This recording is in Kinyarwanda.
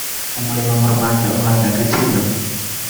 umurimo mu rwanda uhabwa agaciro.